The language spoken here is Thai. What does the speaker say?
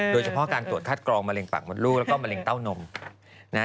โดยเฉพาะการตรวจคัดกรองมะเร็งปักบนลูกและการตรวจคัดกรองมะเร็งเต้านม